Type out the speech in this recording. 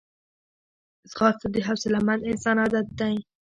ځغاسته د حوصلهمند انسان عادت دی